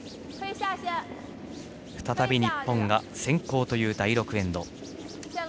再び日本が先攻という第６エンド。